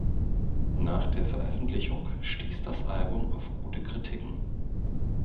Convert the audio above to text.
Nach der Veröffentlichung stieß das Album auf gute Kritiken.